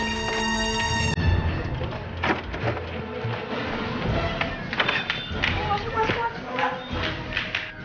masuk masuk masuk